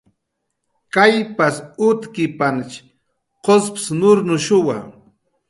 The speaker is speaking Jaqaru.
Kallps utkipanch gusp nurnuchwa